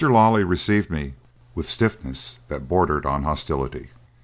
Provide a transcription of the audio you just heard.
Lawley received me with stiffness that bordered on hostility.